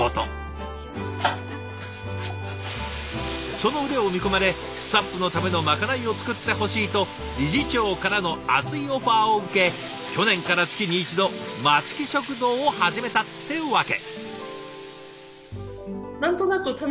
その腕を見込まれスタッフのためのまかないを作ってほしいと理事長からの熱いオファーを受け去年から月に１度松木食堂を始めたってわけ！